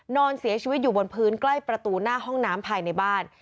นอนเสียชีวิตอยู่บนพื้นใกล้ประตูหน้าห้องน้ำภายในบ้าน